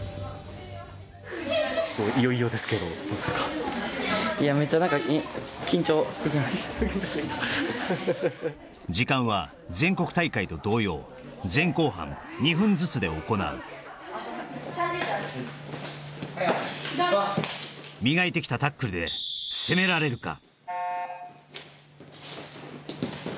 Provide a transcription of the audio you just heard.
いよいよですけど時間は全国大会と同様前後半２分ずつで行うはい握手磨いてきたタックルで攻められるか？